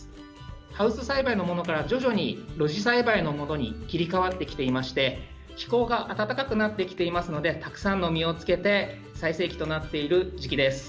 ハウス栽培のものから徐々に露地栽培のものに切り替わってきてまして気候が暖かくなってきていますのでたくさんの実をつけて最盛期となっている時期です。